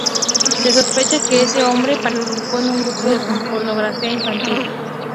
Se sospecha que ese hombre participó en un grupo de pornografía infantil.